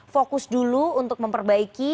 fokus dulu untuk memperbaiki